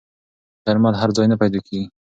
درمل هر ځای نه پیدا کېږي.